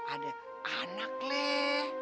ada anak leh